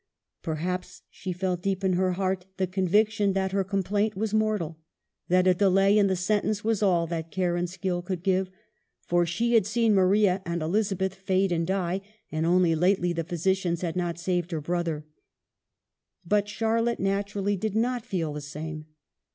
Perhaps she felt, deep in her heart, the conviction that her com plaint was mortal ; that a delay in the sentence was all that care and skill could give ; for she had seen Maria and Elizabeth fade and die, and only lately the physicians had not saved her brother. But Charlotte, naturally, did not feel the same.